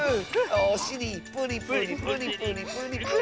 おしりプリプリプリプリプリプリ。